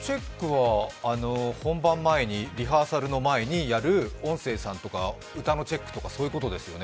本番前にリハーサルの前にやる音声さんとか歌のチェックとかそういうことですよね。